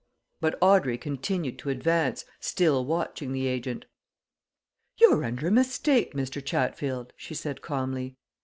But Audrey continued to advance, still watching the agent. "You're under a mistake, Mr. Chatfield," she said calmly.